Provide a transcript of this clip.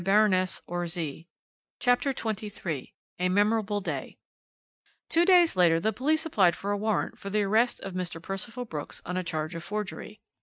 CHAPTER XXIII A MEMORABLE DAY "Two days later the police applied for a warrant for the arrest of Mr. Percival Brooks on a charge of forgery.